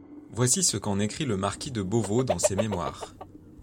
Voici ce qu'en écrit le Marquis de Beauvau dans ses mémoires.